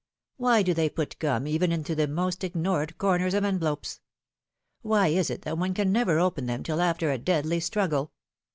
Why do they put gum even into the most ignored corners of envelopes ? Why is it that one can never open them till after a deadly struggle